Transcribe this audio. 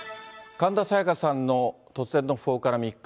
神田沙也加さんの突然の訃報から３日。